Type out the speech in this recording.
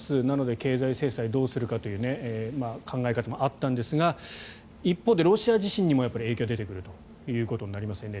なので経済制裁をどうするかという考え方もあったんですが一方でロシア自身にも影響が出てくるということになります。